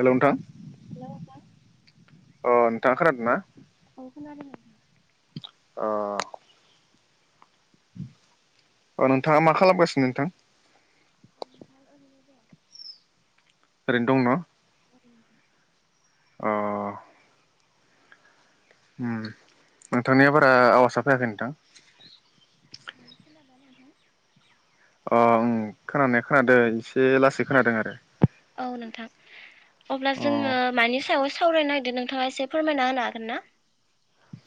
Hello नोंथां hello नोंथां अ नोथाङा खोनादना? खोनानो मोनदों अ अ नोथाङा मा खालामगासिनो नोथां। दोङो ओरैन दं न औ अ उम नोंथांनिया बारा आवासा फैयाखै नोथां। दा खोनाबायना नोंथां? अ उम खोनानाया खोनादों एसे लासै खोनादों आरो। औ नोथां अब्ला अ जोङो मानि सायाव सावरायनाय नोंथाङा एसे फोरमायना होनो हागोन ना।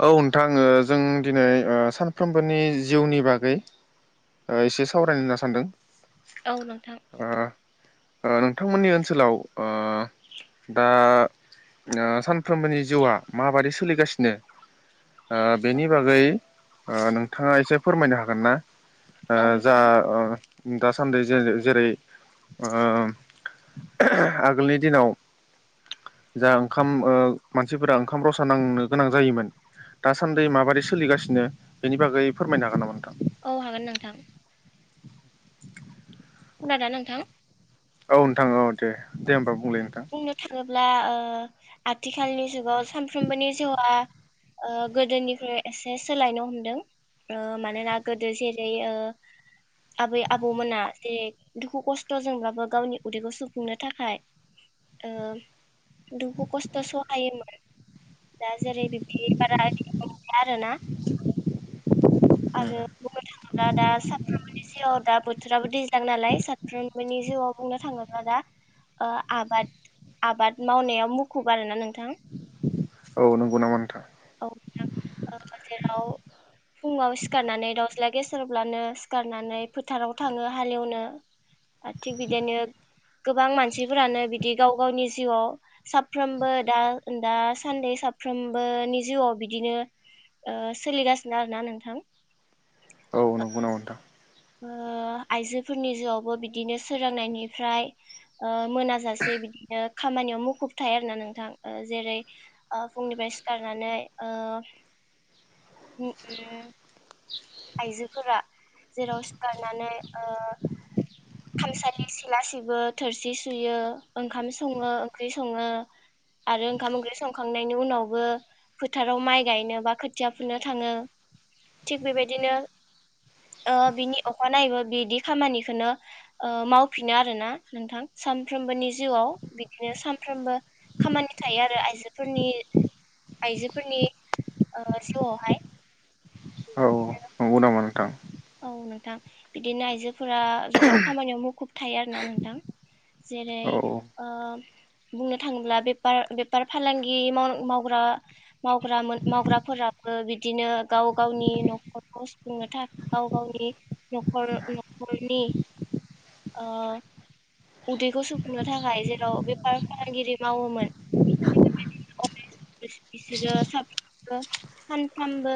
औ नोथां ओ जों दिनै ओ सानफ्रोमबोनि जिउनि बागै ओ एसे सावरायनो होनना सान्दों। औ नोंथां ओ नोंथांमोननि ओनसोलाव ओ दा ओ सानफ्रोमबोनि जिउआ माबादि सोलिगासिनो। ओ बेनि बागै ओ नोंथाङा एसे फोरमायनो हागोन ना? ओ औ जा नोंथां ओ दासान्दि जे जेरै ओ आगोलनि दिनाव जा ओंखाम ओ मानसिफोरा ओंखाम रसा नांनो गोनां जायोमोन दासान्दि माबादै सोलिगासिनो बेनि बागै फोरमायनो हागोन नामा नोंथां। औ हागोन नोंथां। खोनादोंना नोंथां। औ नोंथां औ दे दे होमबा बुंलाय नोंथां। अब्ला ओ आथिखालनि जुगाव सानफ्रोमबोनि जिउआ ओ गोदोनिफ्राय एसे सोलायनो हमदों ओ मानोना गोदो जेरै ओ आबै आबौमोना जेरै दुखु खस्थजोंबाबो गावनि उदैखौ सु फुंनो थाखाय ओ दुखु खस्थ सहायोमोन दा जेरै बिब्दि बिबदिनो मोनलिया आरोना आरो बुंनो थाङोब्ला दा सानफ्रामबोनि जिउआव दा बोथोराबो दैज्लां नालाय साफ्रोमबोनि जिउआव बुंनो थाङोब्ला दा ओ आबाद आबाद मावनायाव मुखुब आरोना नोंथां औ नंगौ नामा नोंथां औ नोंथां ओ जेराव फुङाव सिखारनानै दाउज्ला गेसेरब्लानो सिखारनानै फोथाराव थाङो हालेवनो आरो थिग बिदिनो गोबां मानसिफोरानो बिदि गाव गावनि जिउआव साफ्रोमबो दा दासान्द साफ्रोमबोनि जिउआव बिदिनो ओ सोलिगासिनो आरोना नों थां। औ नंगौनामा नोंथां। ओ आइजोफोरनि जिउावबो बिदिनो सोरोंनायनिफ्राय ओ मोनाजासे बिदिनो खामानियाव मुखुब थायो आरो ना नोंथां ओ जेरै ओ फुंनिफ्राय सिखारनानै ओ उम उम आइजोफोरा जेराव सिखारनानै ओ खामसालि सिला सिबो, थोरसि सुयो, ओंखाम सङो, ओंख्रि सङो आरो ओंखाम ओंख्रि संखांनायनि उनावबो फोथाराव माइ गायनो बा खोथिया फुनो थाङो। थिग बेबायदिनो ओ बिनि अखानायैबो बिदि खामानिखौनो ओ मावफिनो आरोना नोंथां सानफ्रोमबोनि जिउआव बिदिनो सानफ्रोमबो खामानि थायो आरो आइजोफोरनि आइजोफोरनि ओ जिउआवहाय औ नंगौ नामा नोंथां? औ नोंथां बिदिनो आइजोफोरा जोबोद खामानियाव मुखुब थायो आरोना नोंथां। जेरै औ ओ बुंनो थाङोब्ला बेफार बेफार फालांगि मावग्रा मावग्रा मावग्राफोराबो बिदिनो गाव गावनि नखरखौ सुफुंनो थाखाय गाव गावनि नखर नखरनि ओ उदैखौ सुफुंनो थाखाय जेराव बेफार फालांगिरि मावोमोन बिसोरो साफ्रोमबो सानफ्रामबो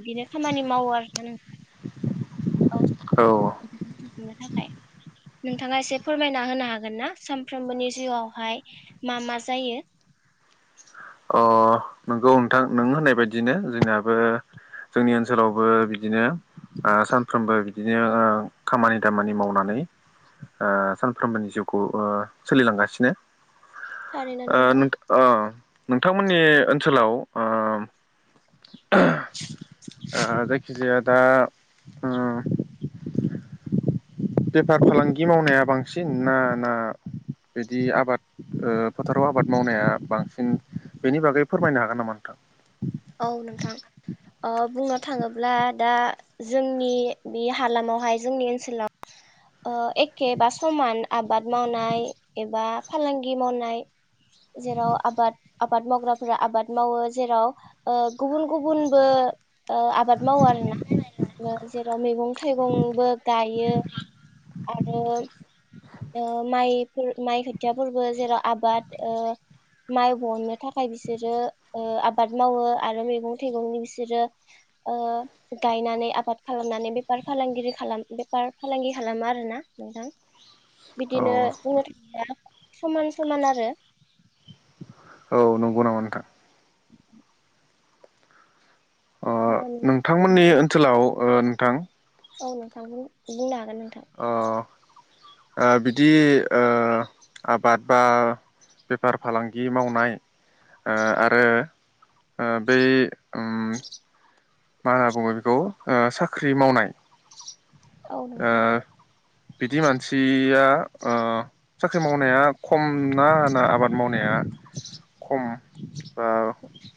बिदिनो खामानि मावो आरोना नोंथां। औ [unintelligible] [unintelligible] थाखाय नोंथाङा एसे फोरमायना होनो हागोन ना, सानफ्रोमबोनि जिउआवहाय मा मा जायो? अ नंगौ नोंथां नों होननाय बायदिनो जोंनियाबो जोंनि ओनसोलावबो बिदिनो ओ सानफ्रोमबो बिदिनो ओ खामानि दामानि मावनानै ओ सानफ्रोमबोनि जिउखौ ओ सोलिलांगासिनो थारैनो ओ नंगौ नोंथा अ नोंथांमोननि ओनसोलाव ओम ओ जायखिजाया दा उम बेफार फालांगि मावनाया बांसिन ना, ना बिदि आबाद ओ फोथाराव आबाद मावनाया बांसिन बेनि बागै फोरमायनो हागोन नामा नोंथां? औ नोंथां ओ बुंनो थाङोब्ला दा जोंनि बे हालामावहाय जोंनि ओनसोलाव ओ एखेबा समान आबाद मावनाय एबा फालांगि मावनाय जेराव आबाद आबाद मावग्राफोरा आबाद मावो जेराव ओ गुबुन गुबुनबो ओ आबाद मावो आरोना जेराव मैगं थाइगंबो गायो। आरो ओ माइफोर माइ खोथियाफोरबो जेराव आबाद ओ माइ बहननो थाखाय बिसोरो ओ आबाद मावो आरो मैगं थाइगंनि बिसोरो ओ गायनानै आबाद खालामनानै बेफार फालांगिरि खालाम बेफार फालांगि खालामो आरोना नोंथां। औ बिदिनो बुंनो थाङोब्ला समान समान आरो औ नंगौ नामा नोंथां अ ओ नोंथांमोननि ओनसोलाव ओ नोंथां औ नोंथां बुं-बुंनो हागोन नोंथां। अ ओ बिदि ओ आबाद बा बेफार फालांगि मावनाय ओ आरो ओ बै ओम मा होनना बुङो बेखौ ओ साख्रि मावनाय औ ओ नोंथां। बिदि मानसिया ओ साख्रि मावनाया खम ना ना आबाद मावनाया खम बा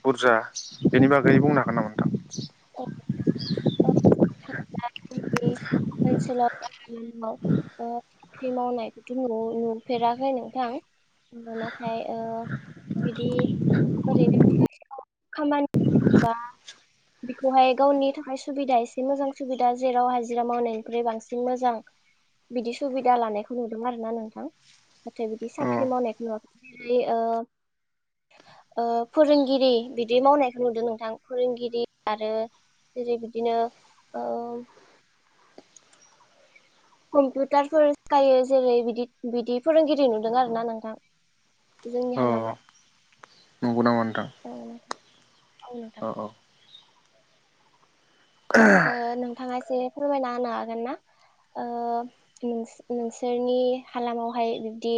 बुरजा बेनि बागै बुंनो हागोन नामा नोंथां? औ नोंथां। ओ थाङला जोंनि ओनसोलाव साख्रि माव ओ साख्रि मावनाय नुफेराखै नोंथां। [unintelligible] नाथाय ओ बिदि ओरैनो [unintelligible] खामानि बा बेखौहाय गावनि थाखाय सु सुबिदा एसे मोजां सुबिदा जेराव हाजिरा मावनायनिख्रुय बांसिन मोजां बिदि सुबिदा लानायखौ नुदों आरो ना नोंथां। नाथाय बिदि साख्रि मावनायखौ नुवाखै जेरै ओ ओ फोरोंगिरि बिदि मावनायखौ नुदों नोंथां फोरोंगिरि आरो जेरै बि बिदिनो ओ कम्पिउटारफोर सिखायो जेरै बिदि बिदि फोरोंगिरि नुदों आरोना नोंथां जोंनि अ हालामाव नंगौ नामा नोंथां? औ नोंथां औ नोंथां। ओ नोंथाङा एसे फोरमायना होनो हागोन ना? ओ नों-नोंसोरनि हालामावहाय बिब्दि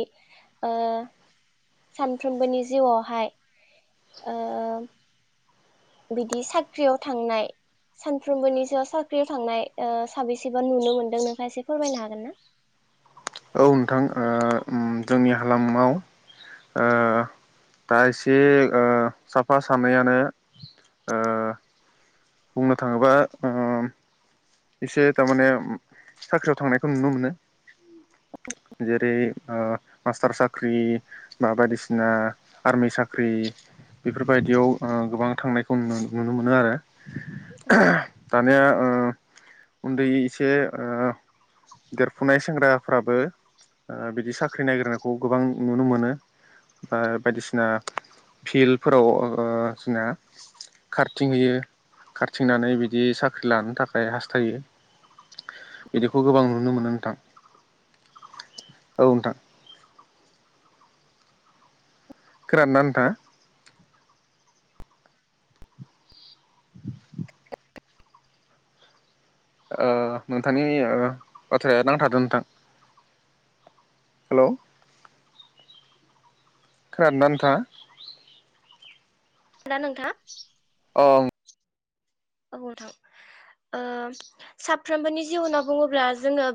ओ सानफ्रोमबोनि जिउआवहाय ओ बिदि साख्रियाव थांनाय सानफ्रोमबोनि सो साख्रियाव थांनाय ओ साबेसेबा नुनो मोनदों नोंथाङा एसे फोरमायनो हागोन ना? औ नोंथां ओ ओम जोंनि हालामाव ओ दा एसे ओ साफा सानैयानो ओ बुंनो थाङोबा ओम एसे थामाने साख्रियाव थांनायखौ नुनो मोनो जेरै ओ मास्टार साख्रि बा बायदिसिना आर्मि साख्रि बेफोरबायदियाव ओ गोबां थांनायखौ नुनो मोनो आरो औ [unintelligible] दानिया ओ उन्दै एसे ओ देरफुनाय सेंग्राफ्राबो ओ बिदि साख्रि नायग्रो नांग खौ गोबां नुनो मोनो आ बायदिसिना फिल्डफोराव ओ जोंना खारथिंहयो खारथिंनानै बिदि साख्रि लानो थाखाय फ्राय हास्थायो बिदिखौ गोबां नुनो मोनो नोंथां औ नोंथां खोनादोना नोंथाङा ओ नोंथांनि बाथ्राया नांथादों नोंथां हेलौ खोनादोंना नोंथाङा ना नोंथाङा औ औ नोंथां ओ साफ्रोमबोनि जिउ होनना बुङोब्ला जोङो बे